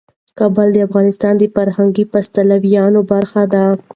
کابل د افغانستان د فرهنګي فستیوالونو برخه ده.